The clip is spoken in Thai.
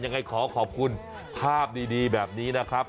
ยังไงขอขอบคุณภาพดีแบบนี้นะครับ